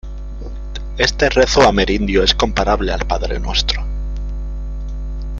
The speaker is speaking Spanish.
Este rezo amerindio es comparable al Padre nuestro.